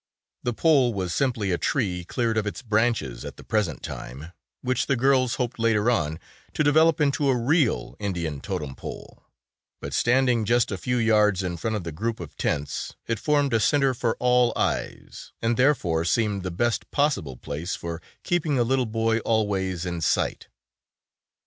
The pole was simply a tree cleared of its branches at the present time, which the girls hoped later on to develop into a real Indian totem pole, but standing just a few yards in front of the group of tents it formed a center for all eyes and therefore seemed the best possible place for keeping a little boy always in sight.